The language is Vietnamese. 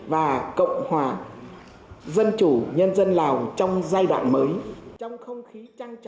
và cộng hòa dân chủ nhân dân lào trong giai đoạn mới